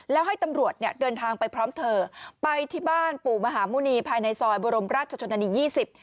แล้วให้ตำรวจเนี่ยเดินทางไปพร้อมเธอไปที่บ้านปู่มหาหมุณีภายในซอยบรมราชชนนานียี่สิบ